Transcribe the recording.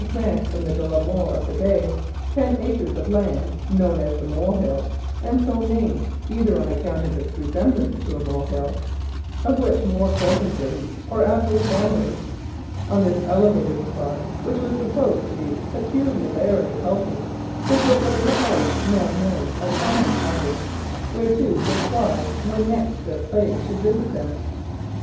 After this the monks obtained ten acres of land, known as Molehill, by grant from the de la Molle of the day, and so named either on account of their resemblance to a molehill (of which more presently) or after the family. On this elevated spot, which was supposed to be peculiarly healthy, they built the little house now called Honham Cottage, whereto to fly when next the plague should visit them.